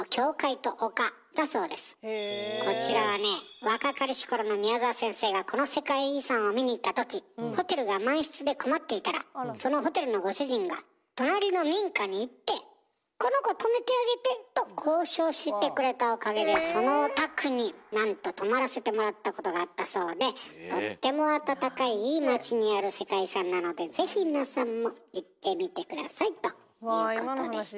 こちらはね若かりし頃の宮澤先生がこの世界遺産を見に行ったときホテルが満室で困っていたらそのホテルのご主人が隣の民家に行って「この子泊めてあげて」と交渉してくれたおかげでそのお宅になんと泊まらせてもらったことがあったそうでとっても温かいいい町にある世界遺産なのでぜひ皆さんも行ってみて下さいということでした。